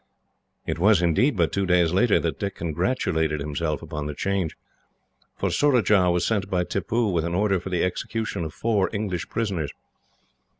It was, indeed, but two days later that Dick congratulated himself upon the change, for Surajah was sent by Tippoo with an order for the execution of four English prisoners.